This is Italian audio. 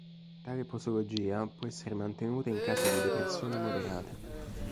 Tale posologia può essere mantenuta in caso di depressioni moderate.